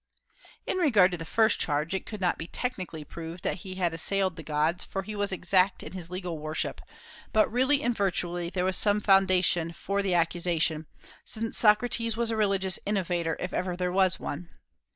In regard to the first charge, it could not be technically proved that he had assailed the gods, for he was exact in his legal worship; but really and virtually there was some foundation for the accusation, since Socrates was a religious innovator if ever there was one.